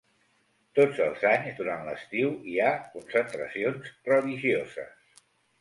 Tots els anys, durant l'estiu, hi ha concentracions religioses.